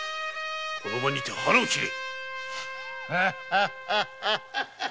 この場で腹を切れ。